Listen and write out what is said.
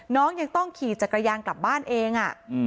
น้องยังต้องขี่จักรยานกลับบ้านเอง